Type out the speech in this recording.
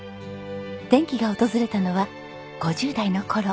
転機が訪れたのは５０代の頃。